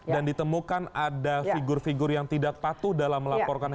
dan ditemukan ada figur figur yang tidak patuh dalam lapangan